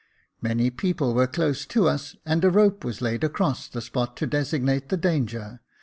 Many people were close to us, and a rope was laid across the spot to designate the danger.